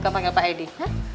kapan gak pak edi